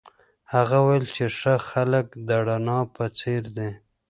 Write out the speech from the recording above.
هغه وویل چي ښه خلک د رڼا په څېر دي.